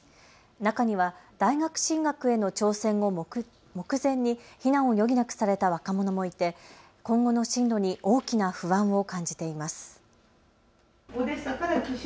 中には大学進学への挑戦を目前に避難を余儀なくされた若者もいて今後の進路に大きな不安を感じています。